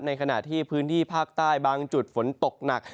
ขณะที่พื้นที่ภาคใต้บางจุดฝนตกหนัก